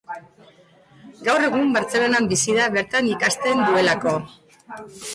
Gaur egun Bartzelonan bizi da bertan ikasten duelako.